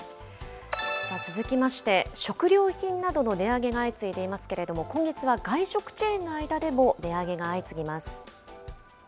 続きまして、食料品などの値上げが相次いでいますけれども、今月は外食チェーンの間でも値上げが相次ぎます。